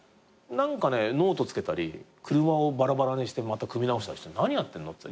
何かねノートつけたり車をバラバラにしてまた組み直したりして何やってんの？って。